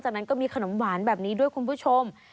จากนั้นก็มีขนมหวานแบบนี้ด้วยคุณผู้ชม